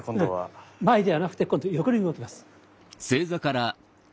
前じゃなくて今度横に動きます。